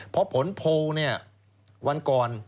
เพราะผลโพลเนี่ยวันก่อน